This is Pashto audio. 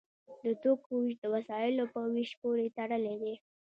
د توکو ویش د وسایلو په ویش پورې تړلی دی.